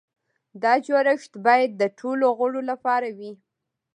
دا جوړښت باید د ټولو غړو لپاره وي.